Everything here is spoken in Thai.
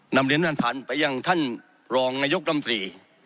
นำเรียนผ่านไปยังท่านรองนายกรรมตรี